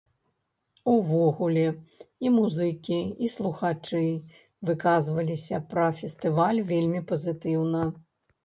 Увогуле, і музыкі, і слухачы выказваліся пра фестываль вельмі пазітыўна.